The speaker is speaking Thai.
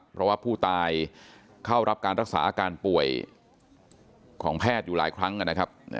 เพราะว่าผู้ตายเข้ารับการรักษาอาการป่วยของแพทย์อยู่หลายครั้งนะครับ